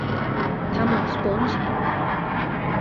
থামো, স্পঞ্জ।